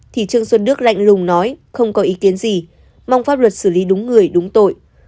thì trương xuân đức lạnh lùng nói không có ý kiến gì mong pháp luật xử lý đúng người đúng tội